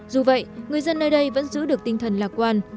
dù vậy người dân nơi đây vẫn giữ được tinh thần lạc quan